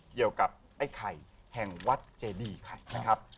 เกี่ยวกับไอ้ไข่แห่งวัดเจดีครับนะครับ